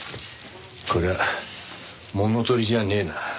これは物取りじゃねえな。